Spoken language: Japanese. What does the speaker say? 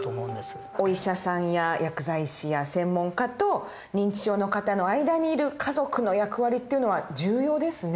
お医者さんや薬剤師や専門家と認知症の方の間にいる家族の役割っていうのは重要ですね。